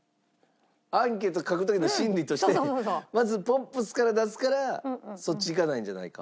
アンケート書く時の心理としてまずポップスから出すからそっちいかないんじゃないか。